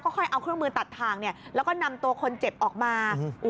ค่อยเอาเครื่องมือตัดทางแล้วก็นำตัวคนเจ็บออกมา